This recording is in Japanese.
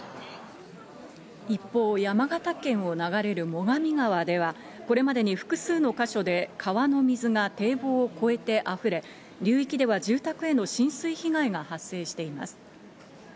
一方、山形県を流れる最上川では、これまでに複数の箇所で川の水が堤防を越えてあふれ、流域では住宅への浸水被害が発生しています。